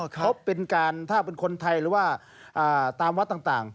เขาเป็นการถ้าเป็นคนไทยหรือว่าตามวัดต่าง